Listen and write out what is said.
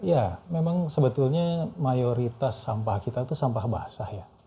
ya memang sebetulnya mayoritas sampah kita itu sampah basah ya